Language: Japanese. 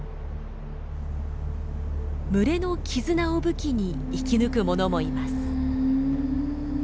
群れの絆を武器に生き抜くものもいます。